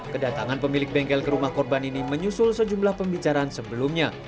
kedatangan pemilik bengkel ke rumah korban ini menyusul sejumlah pembicaraan sebelumnya